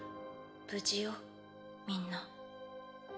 無事よみんな。